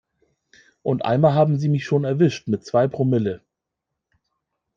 Und einmal haben sie mich schon erwischt mit zwei Promille.